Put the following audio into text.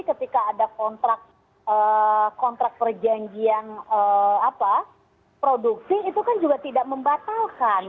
ketika ada kontrak perjanjian produksi itu kan juga tidak membatalkan